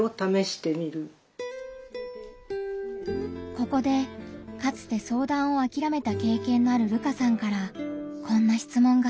ここでかつて相談をあきらめた経験のある瑠花さんからこんな質問が。